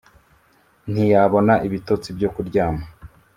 Ntiyabona ibitotsi byo kuryama